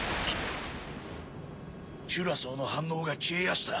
キュラソーの反応が消えやした。